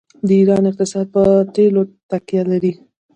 د ایران اقتصاد په تیلو تکیه لري.